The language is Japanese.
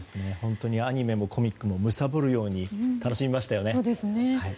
本当にアニメもコミックもむさぼるように楽しみましたよね。